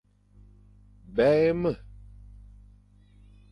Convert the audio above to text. Bèye ma.